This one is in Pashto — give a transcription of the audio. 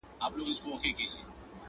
چي زاغان مي خوري ګلشن او غوټۍ ورو ورو،